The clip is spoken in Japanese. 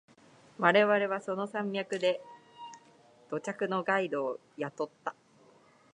我々はその山脈で土着のガイドを雇った。